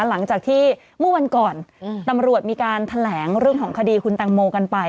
หลังจากที่เมื่อวันก่อนตำรวจมีการแถลงเรื่องของคดีคุณแตงโมกันไป